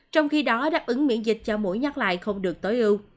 trong khi đó đáp ứng miễn dịch cho mỗi nhắc lại không được tối ưu